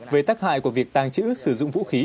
về tác hại của việc tàng trữ sử dụng vũ khí